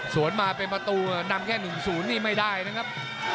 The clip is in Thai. มาเป็นประตูนำแค่๑๐นี่ไม่ได้นะครับ